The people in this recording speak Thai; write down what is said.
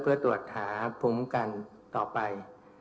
เพื่อตรวจหาภูมิกันต่อไป